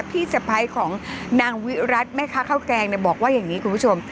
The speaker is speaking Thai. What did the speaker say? พี่สะพ้ายของนางวิรัติแม่ค้าข้าวแกงบอกว่าอย่างนี้คุณผู้ชม